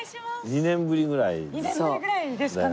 ２年ぶりぐらいですかね。